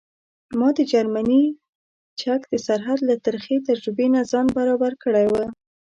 ما د جرمني چک د سرحد له ترخې تجربې نه ځان برابر کړی و.